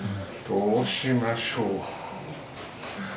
どうしましょう。